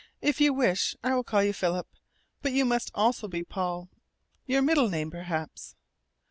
"If you wish I will call you Philip, But you must also be Paul your middle name, perhaps."